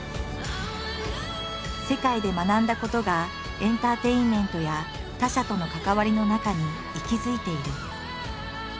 世界で学んだことがエンターテインメントや他者との関わりの中に息づいている。